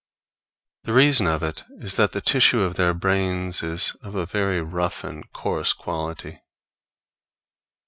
The reason of it is that the tissue of their brains is of a very rough and coarse quality.